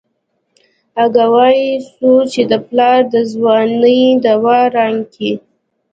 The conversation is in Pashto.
اگه وايي څو چې دې پلار د ځوانۍ دوا رانکي.